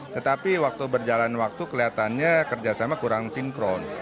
tetapi waktu berjalan waktu kelihatannya kerjasama kurang sinkron